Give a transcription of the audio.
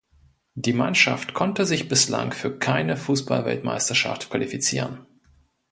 Die Mannschaft konnte sich bislang für keine Fußball-Weltmeisterschaft qualifizieren.